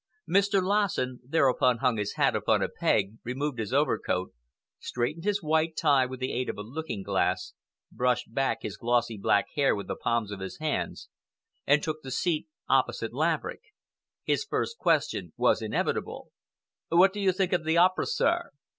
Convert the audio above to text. Mr. Lassen thereupon hung his hat upon a peg, removed his overcoat, straightened his white tie with the aid of a looking glass, brushed back his glossy black hair with the palms of his hands, and took the seat opposite Laverick. His first question was inevitable. "What do you think of the opera, sir?"